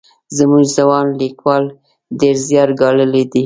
زموږ ځوان لیکوال ډېر زیار ګاللی دی.